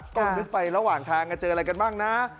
ก็นึกไประหว่างทางเจออะไรกันบ้างนะ